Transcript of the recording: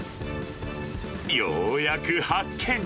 ようやく発見。